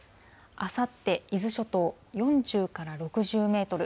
あさって、伊豆諸島４０から６０メートル。